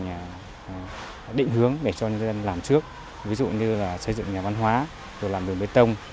tiến hành định hướng để cho nhân dân làm trước ví dụ như xây dựng nhà văn hóa làm đường bê tông